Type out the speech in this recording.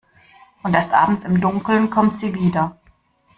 Und erst abends im Dunkeln kommt sie wieder.